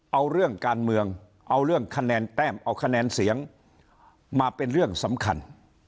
เอาเรื่องการเมืองเอาเรื่องคะแนนแต้มเอาคะแนนเสียงมาเป็นเรื่องสำคัญ